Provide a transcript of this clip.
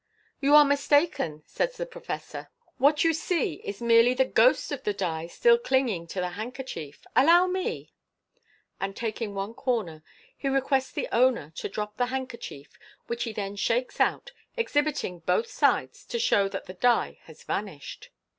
"You are mistaken," says the professor ;" what you see is merely the ghost of the die still clinging to the handkerchief. Allow me !" and taking one corner he requests the owner to drop the handkerchief, which he then shakes out, exhibiting both sides to show that the die has vanished.